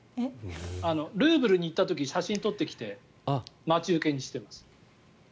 ルーブルに行った時写真を撮ってきて待ち受けにしています。